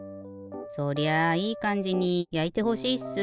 そりゃあいいかんじにやいてほしいっす。